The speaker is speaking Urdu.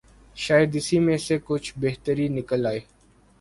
شاید اسی میں سے کچھ بہتری نکل آئے۔